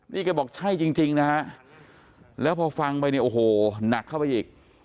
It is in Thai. นี่แกบอกใช่จริงนะฮะแล้วพอฟังไปเนี่ยโอ้โหหนักเข้าไปอีก